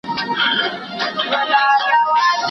لمبو ته یې سپارلی بدخشان دی که کابل دی